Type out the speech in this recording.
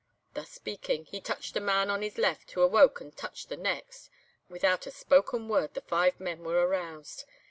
"Thus speaking he touched the man on his left, who awoke and touched the next. Without a spoken word the five men were aroused.